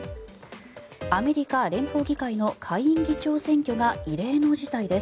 アメリカ連邦議会の下院議長選挙が異例の事態です。